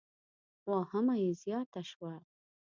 واهمه یې زیاته شوه.